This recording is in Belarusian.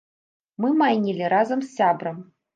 Мы майнілі разам з сябрам.